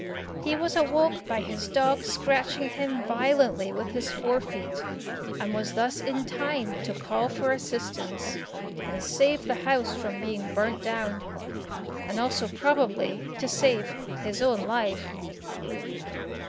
He was awoke by his dog scratching him violently with his fore feet, and was thus in time to call for assistance, and save the house from being burnt down, and also probably to save his own life.